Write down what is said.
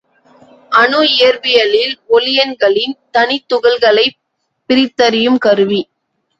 அணு இயற்பியலில் ஒளியன்களின் தனித்துகள்களைப் பிரித்தறியும் கருவி.